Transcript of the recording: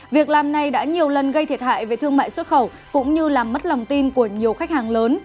việc làm này đã nhiều lần gây thiệt hại về thương mại xuất khẩu cũng như làm mất lòng tin của nhiều khách hàng lớn